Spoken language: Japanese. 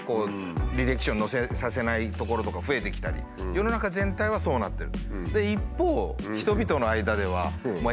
履歴書に載せさせないところとか増えてきたり世の中全体はそうなってる。